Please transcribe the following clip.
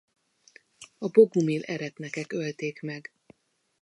A bogumil eretnekek ölték meg.